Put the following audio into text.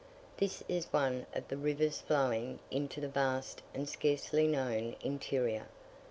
This is one of the rivers flowing into the vast and scarcely known interior.